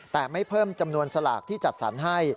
แต่ไม่เพิ่มจำนวนสลากที่จัดสรรให้